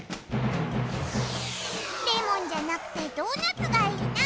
レモンじゃなくてドーナツがいいな。